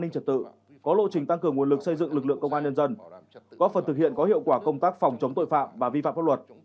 có hiệu quả công tác phòng chống tội phạm và vi phạm pháp luật